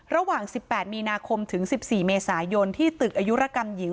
ระหว่าง๑๘มีนาคมถึง๑๔เมษายนที่ตึกอายุรกรรมหญิง